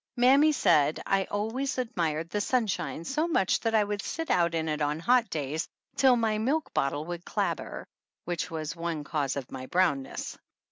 Mammy said I always admired the sunshine so much that I would sit out in it on hot days till my milk bottle would clabber, which was one cause of my brownness.